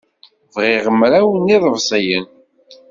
Bɣiɣ mraw n yiḍebsiyen.